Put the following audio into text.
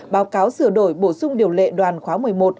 báo cáo sửa đổi bổ sung điều lệ đoàn khóa một mươi một